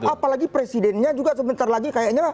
apalagi presidennya juga sebentar lagi kayaknya